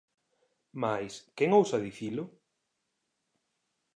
Mais, ¿quen ousa dicilo?